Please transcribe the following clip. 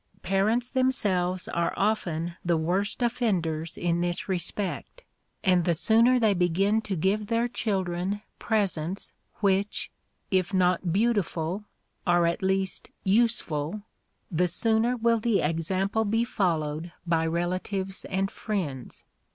Parents themselves are often the worst offenders in this respect, and the sooner they begin to give their children presents which, if not beautiful, are at least useful, the sooner will the example be followed by relatives and friends.